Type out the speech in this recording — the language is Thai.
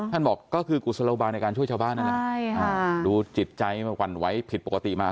ท่านบอกก็คือกุศลวบาลในการช่วยชาวบ้านดูจิตใจกวั่นไหวผิดปกติมา